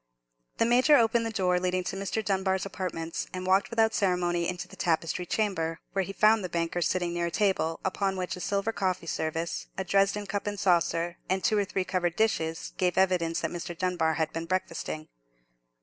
The Major opened the door leading to Mr. Dunbar's apartments, and walked without ceremony into the tapestried chamber, where he found the banker sitting near a table, upon which a silver coffee service, a Dresden cup and saucer, and two or three covered dishes gave evidence that Mr. Dunbar had been breakfasting.